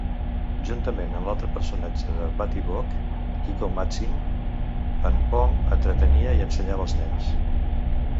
Juntament amb l'altre personatge de Batibot, Kiko Matsing, en Pong entretenia i ensenyava els nens.